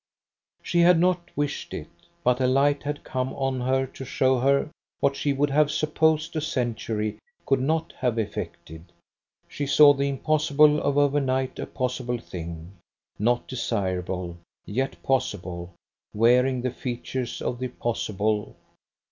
She had not wished it, but a light had come on her to show her what she would have supposed a century could not have effected: she saw the impossible of overnight a possible thing: not desireable, yet possible, wearing the features of the possible.